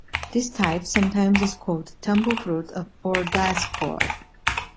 This type sometimes is called a tumble fruit or diaspore.